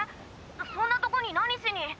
そんなとこに何しに？